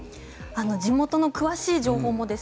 地元の詳しい情報もです